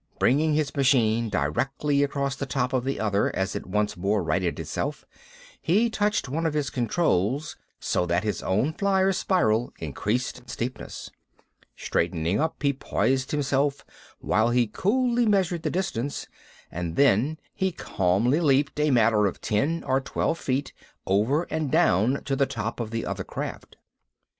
Bringing his machine directly across the top of the other as it once more righted itself, he touched one of his controls, so that his own flier's spiral increased in steepness. Straightening up, he poised himself while he coolly measured the distance; and then he calmly leaped a matter of ten or twelve feet, over and down to the top of the other craft.